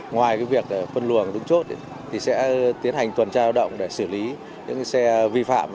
ngoài việc phân luận đúng chốt sẽ tiến hành tuần trao động để xử lý những xe vi phạm